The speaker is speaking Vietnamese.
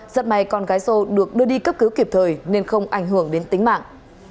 rất may con gái rô được đưa đi cấp cứu kịp thời nên không ảnh hưởng đến tính mạng